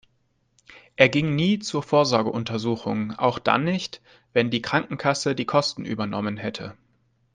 Er ging nie zur Vorsorgeuntersuchung, auch dann nicht, wenn die Krankenkasse die Kosten übernommen hätte.